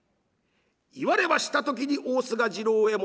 言われました時に大須賀次郎右衛門